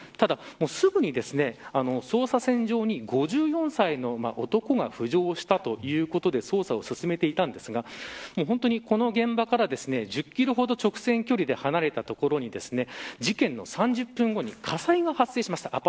ただ、すぐに捜査線上に５４歳の男が浮上したということで捜査を進めていたんですが本当に、この現場からは１０キロほど直線距離で離れた所に事件の３０分後に火災が発生しました。